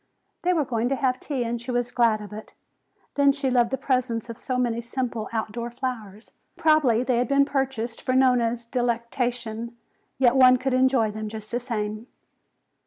They were going to have tea and she was glad of it. Then she loved the presence of so many simple outdoor flowers. Probably they had been purchased for Nona's delectation, yet one could enjoy them just the same.